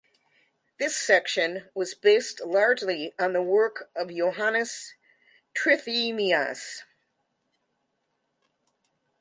This section was based largely on the work of Johannes Trithemius.